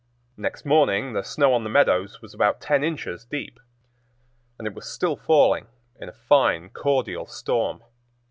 Next morning the snow on the meadows was about ten inches deep, and it was still falling in a fine, cordial storm.